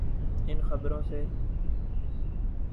ان خبروں سے؟